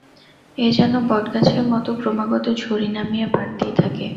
এ যেন বটগাছের মত ক্রমাগত ঝুরি নামিয়ে বাড়তেই থাকে।